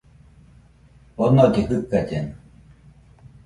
Onollɨ jɨkallena